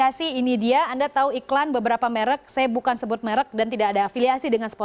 saya bergeser ke perangkat telekomunikasi ini dia anda tahu iklan beberapa merek saya bukan sebut merek dan tidak ada afiliasi dengan sponsor